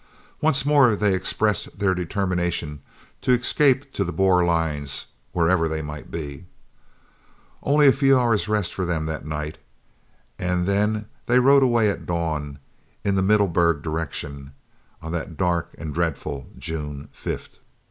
Once more they expressed their determination to escape to the Boer lines, wherever they might be. Only a few hours' rest for them that night and then they rode away at dawn, in the Middelburg direction, on that dark and dreadful June 5th.